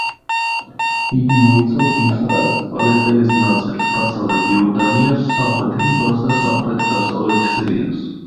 იგი მოიცავს ისრაელს, პალესტინის ნაწილს, დასავლეთ იორდანიას, სამხრეთ ლიბანს და სამხრეთ-დასავლეთ სირიას.